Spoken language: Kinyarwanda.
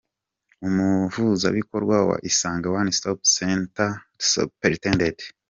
Umuhuzabikorwa wa Isange One Stop Centres Supt.